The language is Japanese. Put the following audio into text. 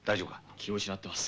気を失ってます。